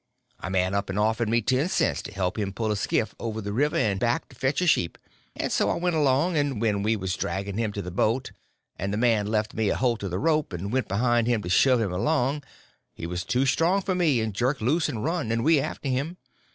A man up and offered me ten cents to help him pull a skiff over the river and back to fetch a sheep, and so I went along; but when we was dragging him to the boat, and the man left me a holt of the rope and went behind him to shove him along, he was too strong for me and jerked loose and run, and we after him.